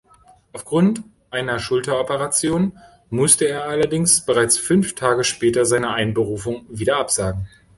Aufgrund einer Schulteroperation musste er allerdings bereits fünf Tage später seine Einberufung wieder absagen.